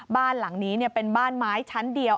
บ้านหลังนี้เป็นบ้านไม้ชั้นเดียว